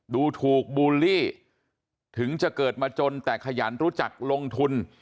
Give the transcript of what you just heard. ดูถูกบูลลี่ถึงจะเกิดมาจนแต่ขยันรู้จักลงทุน